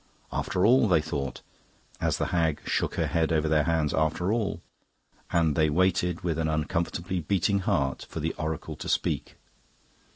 After all, they thought, as the hag shook her head over their hands, after all...And they waited, with an uncomfortably beating heart, for the oracle to speak.